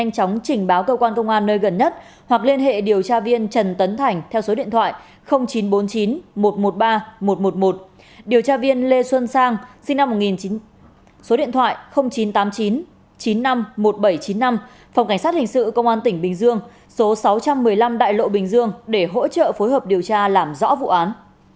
phòng cảnh sát hình sự công an tỉnh bình dương số sáu trăm một mươi năm đại lộ bình dương để hỗ trợ phối hợp điều tra làm rõ vụ án